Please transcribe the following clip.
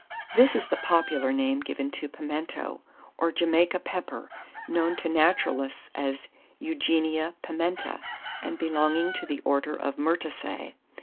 This is the popular name given to pimento, or Jamaica pepper, known to naturalists as Eugenia pimenta, and belonging to the order of Myrtaceae.